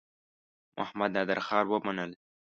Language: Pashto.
محمدنادرخان ومنلم.